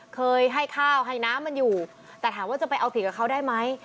เคยให้ข้าวให้น้ำมันอยู่แต่ถามว่าจะไปเอาผิดกับเขาได้ไหม